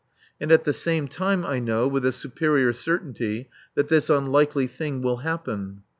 And at the same time I know, with a superior certainty, that this unlikely thing will happen.